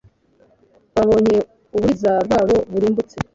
babonye uburiza bwabo burimbutse